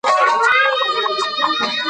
د خپرېدو له نېټې څخـه یـوه میاشـت